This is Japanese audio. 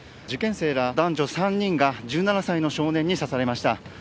受験生ら男女３人が１７歳の少年に刺されました。